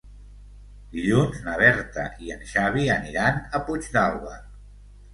Dilluns na Berta i en Xavi aniran a Puigdàlber.